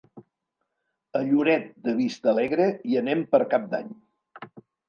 A Lloret de Vistalegre hi anem per Cap d'Any.